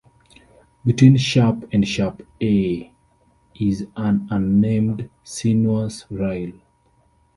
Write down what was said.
Between Sharp and Sharp A is an unnamed sinuous rille.